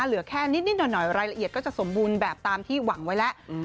เหลือแค่นิดหน่อยรายละเอียดก็จะสมบูรณ์แบบตามที่หวังไว้แล้ว